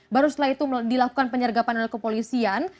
baru setelah itu dilakukan penyergapan oleh kepolisian